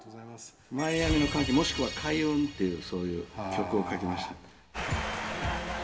「マイアミの歓喜もしくは開運」っていうそういう曲を書きました。